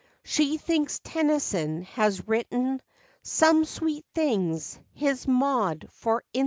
She thinks Tennyson has written Some sweet things—his Maud for instance.